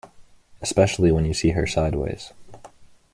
Especially when you see her sideways.